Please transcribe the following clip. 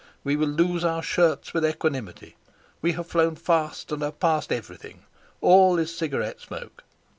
We will lose our shirts with equanimity. We have flown fast and are past everything. All is cigarette smoke.